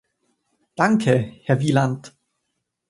Danke, Herr Wieland!